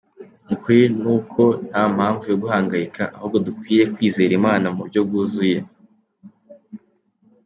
Ukuri ni uko nta mpamvu yo guhangayika, ahubwo dukwiriye kwizera Imana mu buryo bwuzuye.